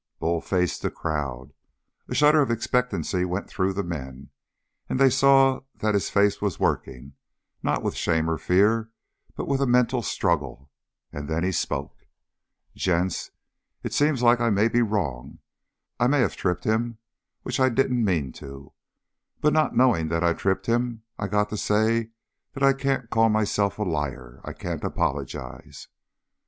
Bull faced the crowd. A shudder of expectancy went through them, and then they saw that his face was working, not with shame or fear but with a mental struggle, and then he spoke. "Gents, it seems like I may be wrong. I may have tripped him which I didn't mean to. But not knowing that I tripped him, I got to say that I can't call myself a liar. I can't apologize."